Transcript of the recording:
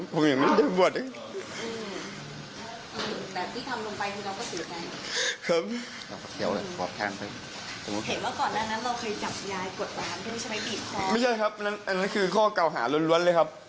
ผมแจ้งความกลับนะครับตรงนั้น